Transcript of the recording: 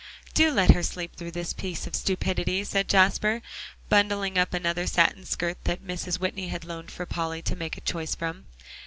"Do let her sleep through this piece of stupidity," said Jasper, bundling up another satin skirt that Mrs. Whitney had loaned for Polly to make a choice from.